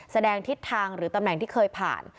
แสดงทิศทางหรือตำแหน่งที่เคยผ่าน